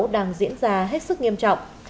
hai nghìn một mươi sáu đang diễn ra hết sức nghiêm trọng